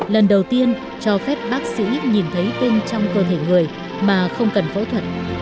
lần đầu tiên cho phép bác sĩ nhìn thấy bên trong cơ thể người mà không cần phẫu thuật